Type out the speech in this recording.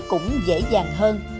cũng dễ dàng hơn